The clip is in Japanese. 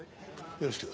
よろしく。